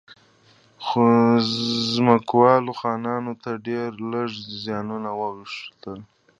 خو ځمکوالو خانانو ته ډېر لږ زیانونه واوښتل.